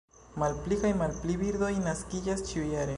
Malpli kaj malpli birdoj naskiĝas ĉiujare.